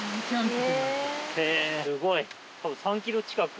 すごい。